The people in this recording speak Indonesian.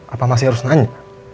apa masih harus nanya